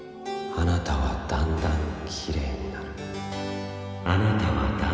「あなたはだんだんきれいになる」